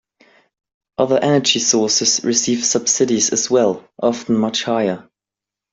Other energy sources receive subsidies as well, often much higher.